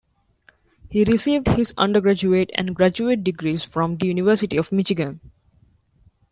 He received his undergraduate and graduate degrees from the University of Michigan.